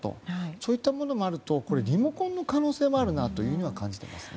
そういったものがあるとリモコンの可能性もあるなと感じていますね。